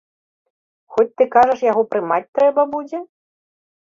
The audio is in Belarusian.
Хоць ты кажаш, яго прымаць трэба будзе?